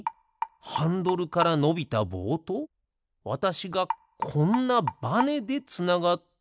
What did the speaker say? ハンドルからのびたぼうとわたしがこんなバネでつながっているだけ？